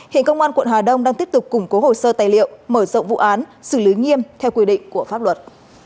hiện công an quận hà đông đang tiếp tục củng cố hồ sơ tài liệu mở rộng vụ án xử lý nghiêm theo quy định của pháp luật